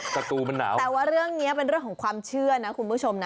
ประตูมันหนาวแต่ว่าเรื่องนี้เป็นเรื่องของความเชื่อนะคุณผู้ชมนะ